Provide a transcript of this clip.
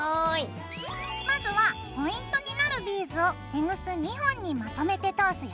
まずはポイントになるビーズをテグス２本にまとめて通すよ。